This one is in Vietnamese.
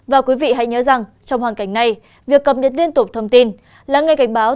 và quý vị hãy nhớ rằng trong hoàn cảnh này việc cập nhật liên tục thông tin lắng nghe cảnh báo